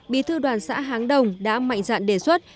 bí thư đoàn xã háng đồng đã mạnh dạn đề xuất